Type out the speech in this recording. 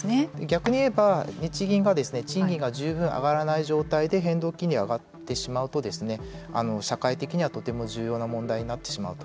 逆に言えば日銀が賃金が十分上がらない状態で変動金利が上がってしまうと社会的にはとても重要な問題になってしまうと。